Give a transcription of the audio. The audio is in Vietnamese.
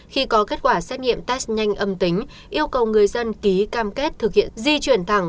khi có kết quả xét nghiệm test nhanh âm tính yêu cầu người dân ký cam kết thực hiện di chuyển thẳng